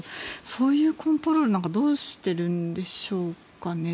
そういうコントロールはどうしてるんでしょうかね。